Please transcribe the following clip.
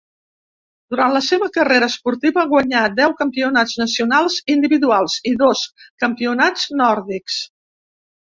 Durant la seva carrera esportiva guanyà deu campionats nacionals individuals i dos campionats nòrdics.